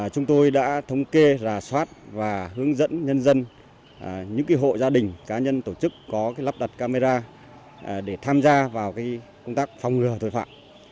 chúng tôi đã thống kê rà soát và hướng dẫn nhân dân những hộ gia đình cá nhân tổ chức có lắp đặt camera để tham gia vào công tác phòng ngừa tội phạm